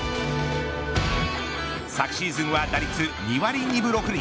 昨シーズンは打率２割２分６厘。